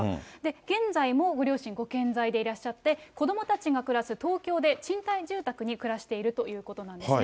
現在もご両親、ご健在でいらっしゃって、子どもたちが暮らす東京で賃貸住宅に暮らしているということなんですね。